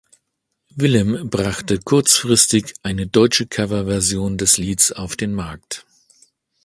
Willem brachte kurzfristig eine deutsche Coverversion des Lieds auf den Markt.